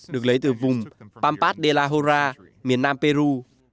được lấy từ vùng pampas de la hora miền nam peru